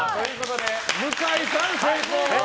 向井さん、成功です。